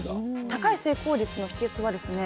高い成功率の秘けつはですね